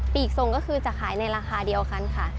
ปีกทรงก็คือจะขายในราคาเดียวกันค่ะ